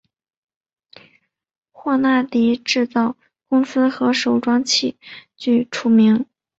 霍纳迪制造公司和手装器具出名。